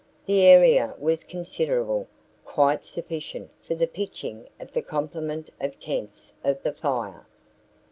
The area was considerable, quite sufficient for the pitching of the complement of tents of the Fire.